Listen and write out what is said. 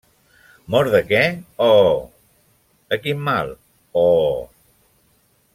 -Mort de què? -Oh! -De quin mal? -Oh!…